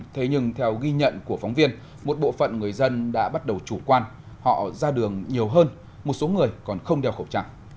thế nhưng theo ghi nhận của phóng viên một bộ phận người dân đã bắt đầu chủ quan họ ra đường nhiều hơn một số người còn không đeo khẩu trang